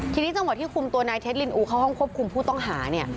ทีนี้จังหวะที่คุมตัวนายเท็จลินอูเข้าห้องควบคุมผู้ต้องหาเนี่ย